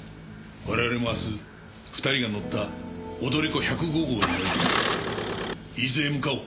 我々も明日２人が乗った踊り子１０５号に乗り込み伊豆へ向かおう。